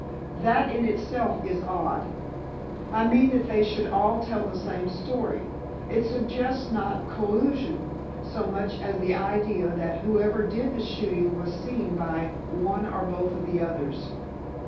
That in itself is odd—I mean that they should all tell the same story. It suggests not collusion so much as the idea that whoever did the shooting was seen by one or both of the others."